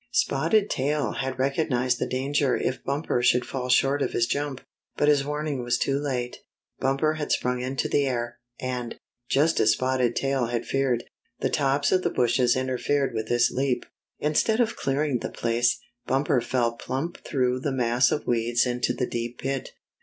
Spotted Tail had recognized the danger if Bumper should fall short of his jump, but his warning was too late. Bumper had sprung into the air, and, just as Spotted Tail had feared, the tops of the bushes interfered with his leap. Instead of clearing the place. Bumper fell plump through the mass of weeds into the deep pit.